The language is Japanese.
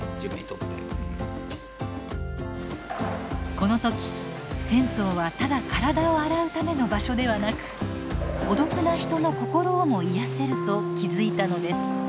この時銭湯はただ体を洗うための場所ではなく孤独な人の心をも癒やせると気付いたのです。